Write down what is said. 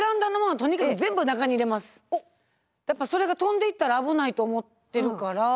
やっぱそれが飛んでいったら危ないと思ってるから。